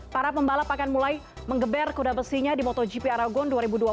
para pembalap akan mulai mengeber kuda besinya di motogp aragon dua ribu dua puluh